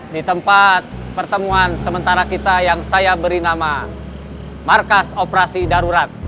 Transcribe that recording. di tempat pertemuan sementara kita yang saya beri nama markas operasi darurat